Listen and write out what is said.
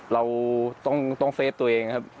เราต้องเฟสตัวเองครับ